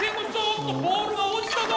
ボールが落ちたぞ。